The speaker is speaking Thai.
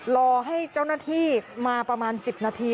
รอให้เจ้าหน้าที่มาประมาณ๑๐นาที